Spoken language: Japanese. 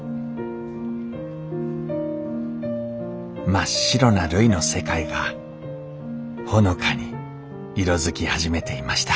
真っ白なるいの世界がほのかに色づき始めていました。